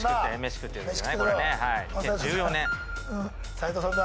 斎藤さんだ。